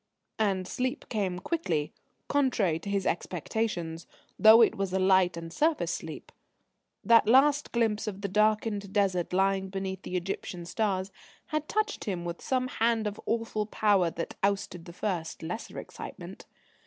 And sleep came quickly, contrary to his expectations, though it was a light and surface sleep. That last glimpse of the darkened Desert lying beneath the Egyptian stars had touched him with some hand of awful power that ousted the first, lesser excitement.